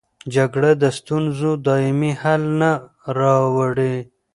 جګړه د ستونزو دایمي حل نه راوړي.